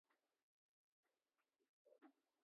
Qaddimni tik tutib hovlini aylanib yurdim